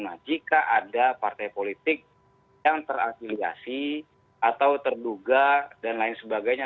nah jika ada partai politik yang terafiliasi atau terduga dan lain sebagainya